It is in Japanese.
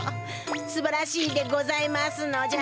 すばらしいでございますのじゃ。